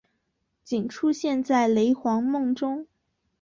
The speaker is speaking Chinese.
仅出现在雷凰梦中。